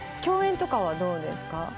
共演とかはどうですか？